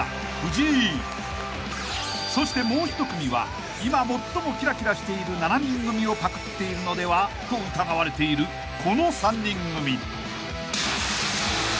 ［そしてもう一組は今最もキラキラしている７人組をパクっているのでは？と疑われているこの３人組］